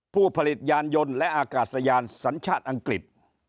ผู้ผลิตยานยนต์และอากาศยานสัญชาติอังกฤษ